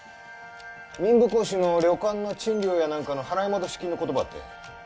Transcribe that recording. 民部公子の旅館の賃料やなんかの払い戻し金のことばってん。